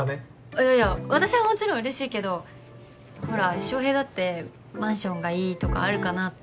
いやいや私はもちろんうれしいけどほら翔平だってマンションがいいとかあるかなって。